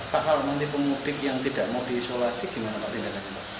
pak halmanti pemudik yang tidak mau diisolasi gimana pak